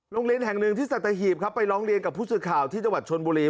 โรงเรียนแห่งหนึ่งที่สัตหีบครับไปร้องเรียนกับผู้สื่อข่าวที่จังหวัดชนบุรี